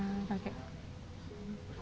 seneng gak tinggal sama rake